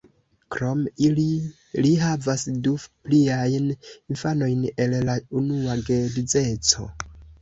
Krom ili, li havas du pliajn infanojn el la unua geedzeco.